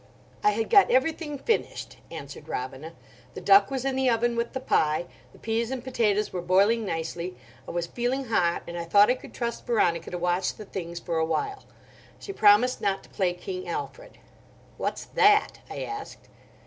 "I had got everything finished," answered Robina. "The duck was in the oven with the pie; the peas and potatoes were boiling nicely. I was feeling hot, and I thought I could trust Veronica to watch the things for awhile. She promised not to play King Alfred." "What's that?" I asked.